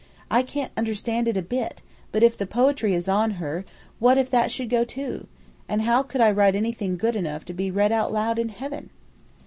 I can't understand it a bit; but if the poetry is on her, what if that should go, too? And how could I write anything good enough to be read out loud in heaven?"